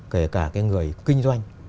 kể cả cái người kinh doanh